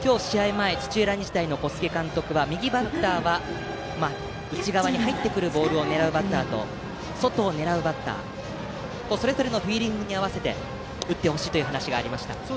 前土浦日大の小菅監督は右バッターは内側に入ってくるボールを狙うバッターと外を狙うバッターそれぞれのフィーリングに合わせ打ってほしいという話がありました。